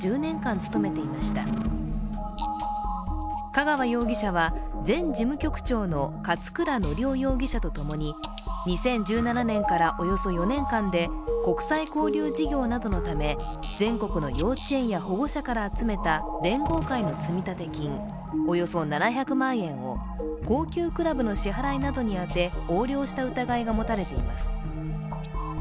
香川容疑者は前事務局長の勝倉教雄容疑者とともに２０１７年からおよそ４年間で国際交流事業などのため全国の幼稚園や保護者から集めた連合会の積立金およそ７００万円を高級クラブの支払いなどに充て横領した疑いがもたれています。